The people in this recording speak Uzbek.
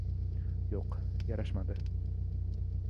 Yo‘q, yarashmadi.